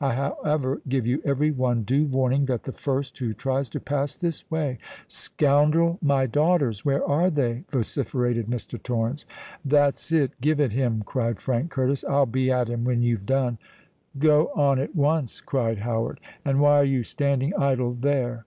I however give you every one due warning, that the first who tries to pass this way——" "Scoundrel! my daughters—where are they?" vociferated Mr. Torrens. "That's it—give it him!" cried Frank Curtis. "I'll be at him when you've done." "Go on at once," cried Howard. "And why are you standing idle there?"